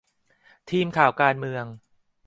ทีมข่าวการเมือง